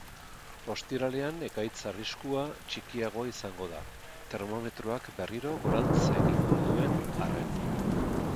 Ostiralean ekaitz arriskua txikiagoa izango da, termometroak berriro gorantz egingo duen arren.